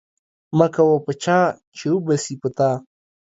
مکوه په چاه چې و به سي په تا.